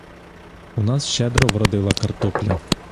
У нас щедро вродила картопля